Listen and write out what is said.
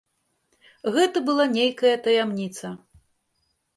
Гэта была нейкая таямніца.